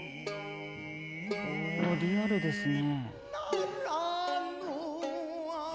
あリアルですね。